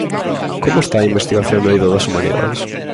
Como está a investigación no eido das Humanidades?